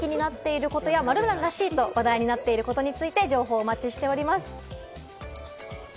皆さんの身の回りで気になっていることや「〇〇らしい」と話題になっていることについて情報をお待ちしております。